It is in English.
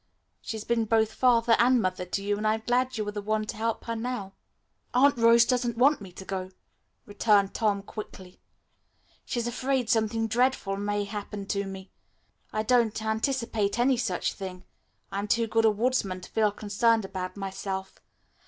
She's been both father and mother to you, and I'm glad you are the one to help her now." "Aunt Rose doesn't want me to go," returned Tom quickly. "She's afraid something dreadful may happen to me. I don't anticipate any such thing. I'm too good a woodsman to feel concerned about myself.